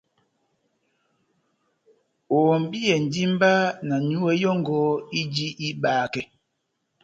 Ohɔmbiyɛndi mba na nyúwɛ́ yɔ́ngɔ ijini ihibakɛ.